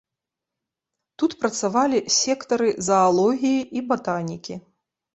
Тут працавалі сектары заалогіі і батанікі.